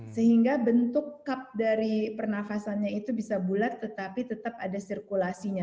sehingga bentuk cup dari pernafasannya itu bisa bulat tetapi tetap ada sirkulasinya